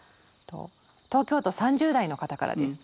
東京都３０代の方からです。